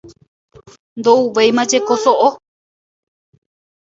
Ndoʼúivajeko soʼo.